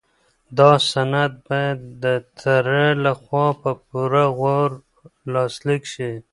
دا سند باید د تره لخوا په پوره غور لاسلیک شي.